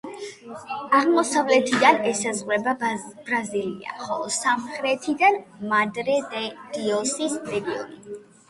აღმოსავლეთიდან ესაზღვრება ბრაზილია, ხოლო სამხრეთიდან მადრე-დე-დიოსის რეგიონი.